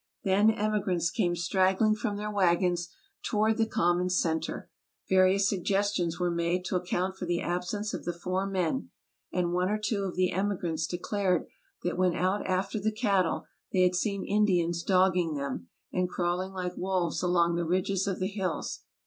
Then emi grants came straggling from their wagons toward the com mon center; various suggestions were made to account for the absence of the four men, and one or two of the emigrants declared that when out after the cattle they had seen Indians dogging them, and crawling like wolves along the ridges of the hills.